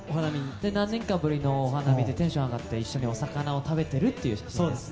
何年かぶりのお花見でテンションが上がって一緒にお魚を食べてるっていう写真です。